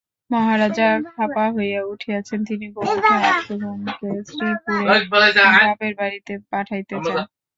মহারাজা খাপা হইয়া উঠিয়াছেন, তিনি বউ-ঠাকরুনকে শ্রীপুরে বাপের বাড়িতে পাঠাইতে চান।